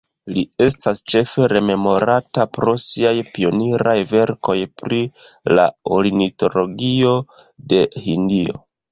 Li estas ĉefe rememorata pro siaj pioniraj verkoj pri la ornitologio de Hindio.